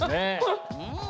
うん。